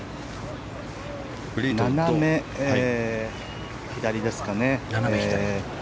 斜め左ですかね。